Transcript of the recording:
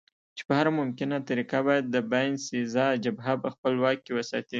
چې په هره ممکنه طریقه باید د باینسېزا جبهه په خپل واک کې وساتي.